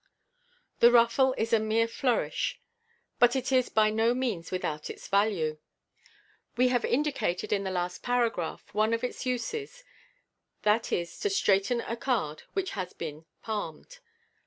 The ruffle is a mere flourish, but it is by no means without its value. We have indicated in the last paragraph one of its uses, viz., to straighten a card which has been palmed.